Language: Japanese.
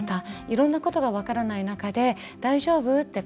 いろんなことが分からない中で大丈夫？って